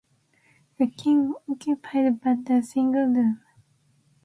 The king occupies but a single room.